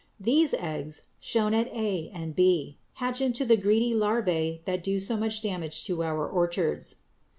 These eggs (shown at a and b) hatch into the greedy larvæ that do so much damage to our orchards.